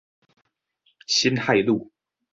辛亥路